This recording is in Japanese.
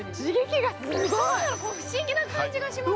不思議な感じがします。